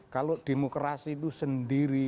kalau demokrasi itu sendiri